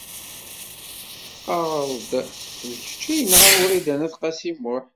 Tqarreḍ-d d kecc ay yenɣan Wrida n At Qasi Muḥ.